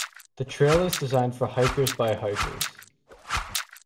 The trail is designed for hikers by hikers.